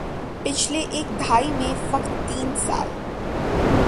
پچھلی ایک دہائی میں فقط تین سال